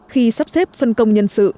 khi sắp xếp phân công nhân sự